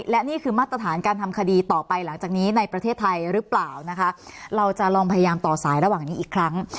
และนี่คือมาตรฐานการทำคดีต่อไปหลังจากนี้ในประเทศไทยหรือเปล่านะคะเราจะลองพยายามต่อสายระหว่างนี้อีกครั้ง